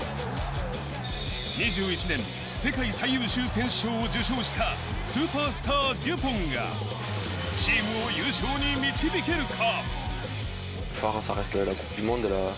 ２１年世界最優秀選手賞を受賞したスーパースター、デュポンがチームを優勝に導けるか？